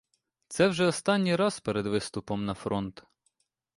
Це вже останній раз перед виступом на фронт.